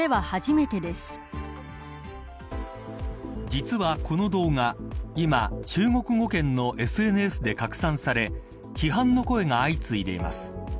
実は、この動画今、中国語圏のＳＮＳで拡散され批判の声が相次いでいます。